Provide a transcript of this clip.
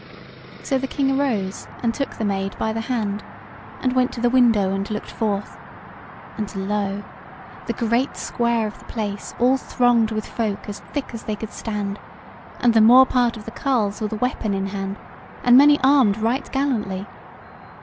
So the King arose and took the Maid by the hand, and went to the window and looked forth; and lo! the great square of the place all thronged with folk as thick as they could stand, and the more part of the carles with a weapon in hand, and many armed right gallantly.